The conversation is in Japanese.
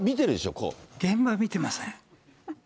現場見てません。